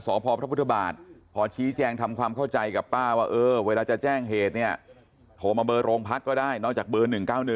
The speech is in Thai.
สพพระพุทธบาทพอชี้แจงทำความเข้าใจกับป้าว่าเออเวลาจะแจ้งเหตุเนี่ยโทรมาเบอร์โรงพักก็ได้นอกจากเบอร์๑๙๑